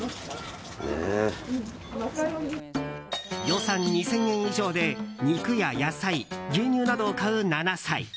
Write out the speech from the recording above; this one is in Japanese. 予算２０００円以上で肉や野菜牛乳などを買う７歳。